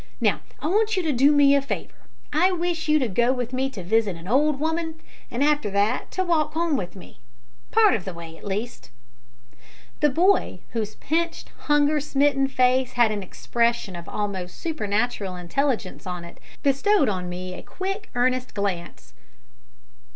Now, I want you to do me a favour. I wish you to go with me to visit an old woman, and, after that, to walk home with me part of the way, at least." The boy, whose pinched, hunger smitten face had an expression of almost supernatural intelligence on it, bestowed on me a quick, earnest glance.